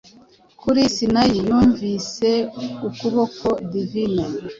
Kuri Sinayi yunvise Ukuboko Divine